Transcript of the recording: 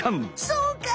そうか！